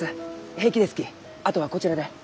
平気ですきあとはこちらで。